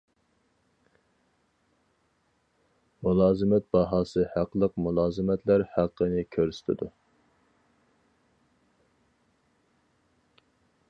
مۇلازىمەت باھاسى ھەقلىق مۇلازىمەتلەر ھەققىنى كۆرسىتىدۇ.